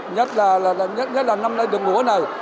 nhất là năm nay được ngủ ở nơi này